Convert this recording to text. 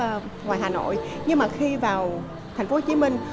ra ngoài hà nội nhưng mà khi vào thành phố hồ chí minh